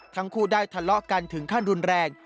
ทั้งคู่ได้ทะเลาะกันถึงขั้นรุนแรง